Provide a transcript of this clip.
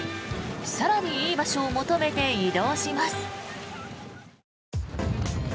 更にいい場所を求めて移動します。